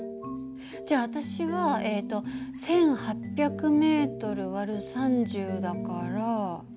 じゃあ私はえっと１，８００ｍ÷３０だから。